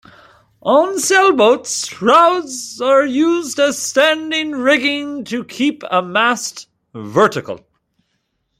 On sailboats, shrouds are used as standing rigging to keep a mast vertical.